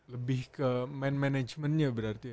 lebih ke man management nya berarti ya